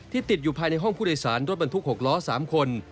ติดอยู่ภายในห้องผู้โดยสารรถบรรทุก๖ล้อ๓คน